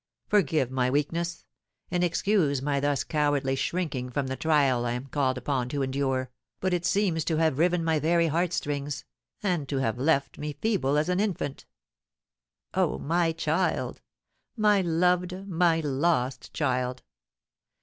Forgive my weakness, and excuse my thus cowardly shrinking from the trial I am called upon to endure, but it seems to have riven my very heart strings, and to have left me feeble as an infant! Oh, my child! My loved, my lost child!